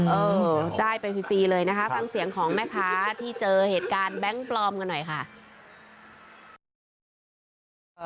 เออได้ไปฟรีเลยนะคะฟังเสียงของแม่ค้าที่เจอเหตุการณ์แบงค์ปลอมกันหน่อยค่ะ